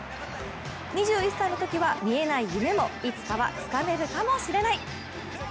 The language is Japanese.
２１歳のときは見えない夢もいつかはつかめるかもしれない。